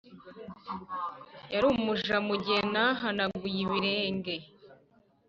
yari umuja mugihe ntahanaguye ibirenge.